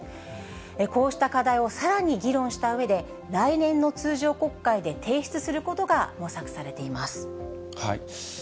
こうした課題をさらに議論したうえで、来年の通常国会で提出することが模索されています。